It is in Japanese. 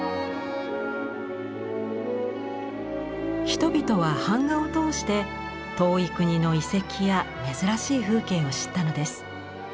人々は版画を通して遠い国の遺跡や珍しい風景を知ったのです。